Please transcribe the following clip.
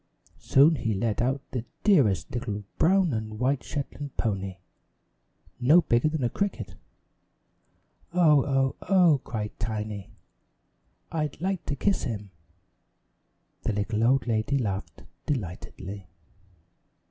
Soon he led out the dearest little brown and white Shetland pony no bigger than a cricket. "Oh, oh, oh!" cried Tiny. "I'd like to kiss him!" The little old lady laughed delightedly.